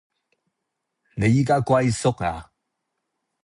你依家龜縮呀？